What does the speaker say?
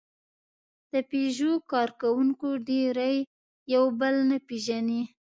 د پيژو کارکوونکي ډېری یې یو بل نه پېژني.